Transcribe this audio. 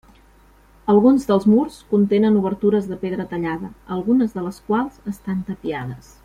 Alguns dels murs contenen obertures de pedra tallada, algunes de les quals estan tapiades.